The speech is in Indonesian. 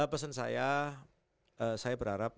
pesan saya saya berharap